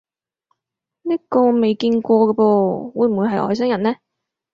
呢個未見過嘅噃，會唔會係外星人呢？